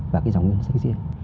và cái dòng ngân sách riêng